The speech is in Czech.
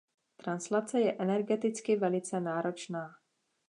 Translace je energeticky velice náročná.